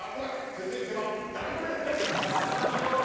続いては第５レースです。